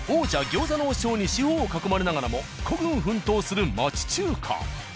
「餃子の王将」に四方を囲まれながらも孤軍奮闘する町中華。